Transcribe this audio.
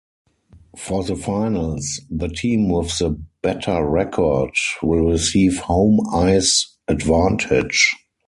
For the Finals, the team with the better record will receive home ice advantage.